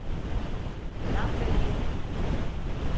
Selam, bebeğim.